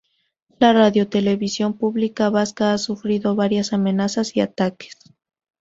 La radiotelevisión pública vasca ha sufrido varias amenazas y ataques.